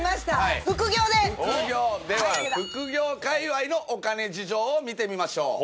では副業かいわいのお金事情を見てみましょう。